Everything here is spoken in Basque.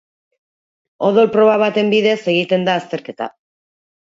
Odol-proba baten bidez egiten da azterketa.